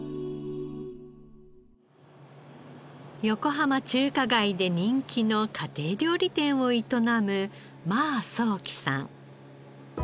横浜中華街で人気の家庭料理店を営む馬双喜さん。